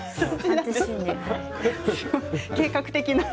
計画的な。